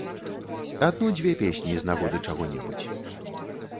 Адну-дзве песні з нагоды чаго-небудзь.